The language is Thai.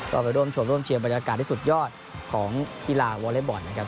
ก็ไปร่วมชมร่วมเชียร์บรรยากาศที่สุดยอดของกีฬาวอเล็กบอลนะครับ